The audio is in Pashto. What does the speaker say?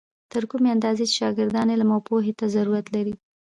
تر کومې اندازې چې شاګردان علم او پوهې ته ضرورت لري.